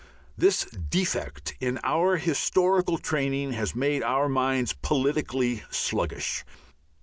This defect in our historical training has made our minds politically sluggish.